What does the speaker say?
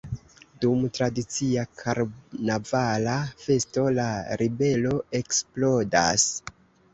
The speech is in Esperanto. Dum tradicia karnavala festo la ribelo eksplodas.